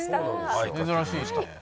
珍しいね。